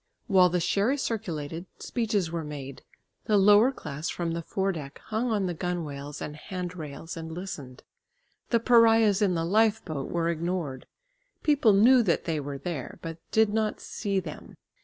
While the sherry circulated, speeches were made. The lower class from the fore deck hung on the gunwales and hand rails and listened. The pariahs in the lifeboat were ignored. People knew that they were there, but did not see them.